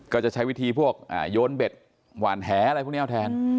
ก็จะใช้วิธีพวกโยนเบ็ดหวานแหอะไรพวกนี้เอาแทน